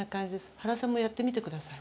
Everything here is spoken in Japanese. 原さんもやってみて下さい。